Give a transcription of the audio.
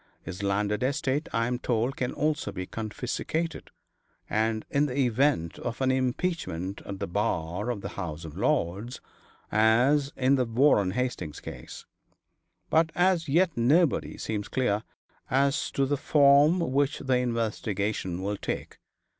His landed estate I am told can also be confiscated, in the event of an impeachment at the bar of the House of Lords, as in the Warren Hastings case. But as yet nobody seems clear as to the form which the investigation will take.